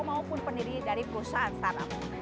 maupun pendiri dari perusahaan startup